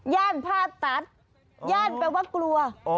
ย่านผ้าตัดย่านแปลว่ากลัว